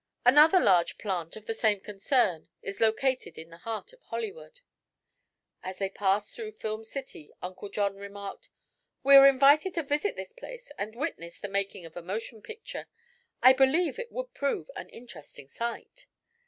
Another large "plant" of the same concern is located in the heart of Hollywood. As they passed through Film City Uncle John remarked: "We are invited to visit this place and witness the making of a motion picture. I believe it would prove an interesting sight."